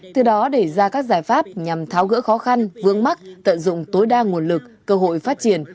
từ đó để ra các giải pháp nhằm tháo gỡ khó khăn vương mắc tận dụng tối đa nguồn lực cơ hội phát triển